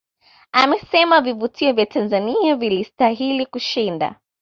Amesema vivutio vya Tanzania vilistahili kushinda